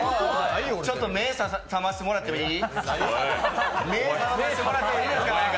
ちょっと目覚ましてもらってもいい？